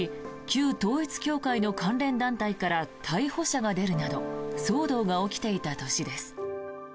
旧統一教会の関連団体から逮捕者が出るなど騒動が起きていた年です。